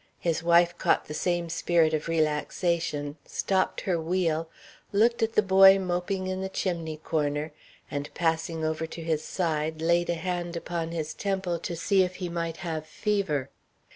His wife caught the same spirit of relaxation, stopped her wheel, looked at the boy moping in the chimney corner, and, passing over to his side, laid a hand upon his temple to see if he might have fever.